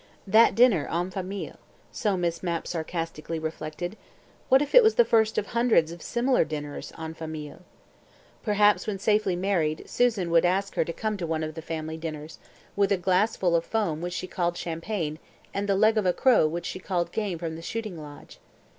That dinner en famille, so Miss Mapp sarcastically reflected what if it was the first of hundreds of similar dinners en famille? Perhaps, when safely married, Susan would ask her to one of the family dinners, with a glassful of foam which she called champagne, and the leg of a crow which she called game from the shooting lodge.